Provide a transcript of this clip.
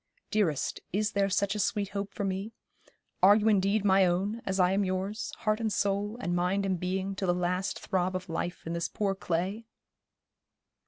Dearest, is there such a sweet hope for me; are you indeed my own, as I am yours, heart and soul, and mind and being, till the last throb of life in this poor clay?'